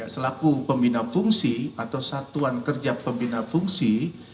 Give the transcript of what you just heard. selaku pembina fungsi atau satuan kerja pembina fungsi